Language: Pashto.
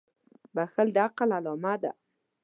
• بښل د عقل علامه ده.